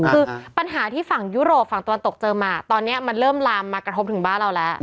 คือปัญหาที่ฝั่งยุโรปฝั่งตะวันตกเจิมมาตอนนี้มันเริ่มลามมากระทบถึงบ้านเราแล้ว